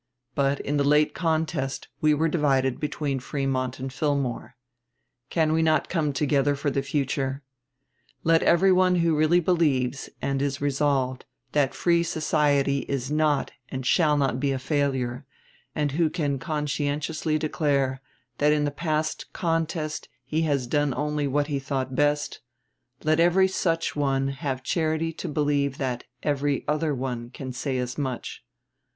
But in the late contest we were divided between Frémont and Fillmore. Can we not come together for the future? Let every one who really believes, and is resolved, that free society is not and shall not be a failure, and who can conscientiously declare that in the past contest he has done only what he thought best, let every such one have charity to believe that every other one can say as much.